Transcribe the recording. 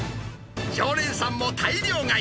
常連さんも大量買い。